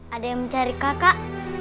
ada yang mencari kakak